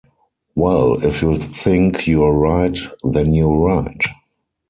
Well, if you think you're right, then you're right.